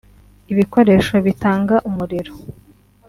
ibikoresho bitanga umuriro